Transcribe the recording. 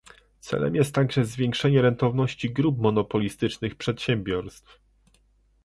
Celem jest także zwiększenie rentowności grup monopolistycznych przedsiębiorstw